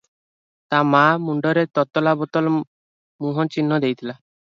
ତା’ ମା’ ମୁଣ୍ଡରେ ତତଲା ବୋତଲ ମୁହଁ ଚିହ୍ନ ଦେଇଥିଲା ।